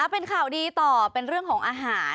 เป็นข่าวดีต่อเป็นเรื่องของอาหาร